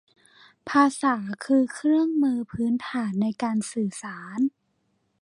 ภาษาคือเครื่องมือพื้นฐานในการสื่อสาร